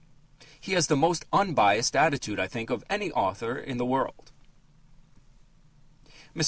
He has the most unbiassed attitude, I think, of any author in the world. Mr.